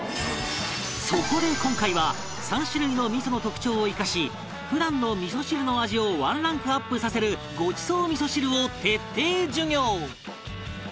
そこで今回は３種類の味噌の特徴を生かし普段の味噌汁の味をワンランクアップさせるごちそう味噌汁を徹底授業